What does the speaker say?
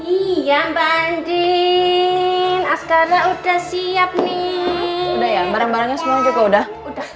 iya banding astana udah siap nih udah ya barang barangnya semua juga udah udah